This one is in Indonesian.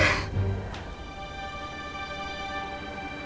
ceritain sama mama ada apa